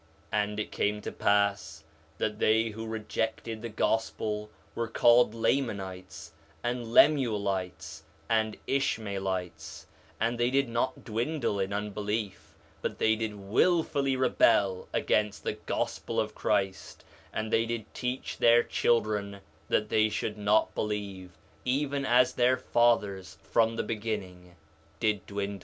4 Nephi 1:38 And it came to pass that they who rejected the gospel were called Lamanites, and Lemuelites, and Ishmaelites; and they did not dwindle in unbelief, but they did wilfully rebel against the gospel of Christ; and they did teach their children that they should not believe, even as their fathers, from the beginning, did dwindle.